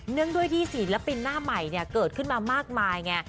งด้วยที่ศิลปินหน้าใหม่เกิดขึ้นมามากมายไง